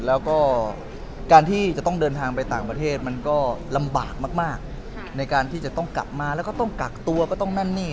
แล้วก็การที่จะต้องเดินทางไปต่างประเทศมันก็ลำบากมากในการที่จะต้องกลับมาแล้วก็ต้องกักตัวก็ต้องนั่นนี่